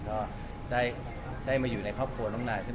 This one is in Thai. ตั้งแต่วันแรกตอนที่ผม